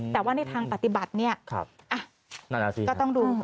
แต่ว่าในทางปฏิบัติเนี่ยสิก็ต้องดู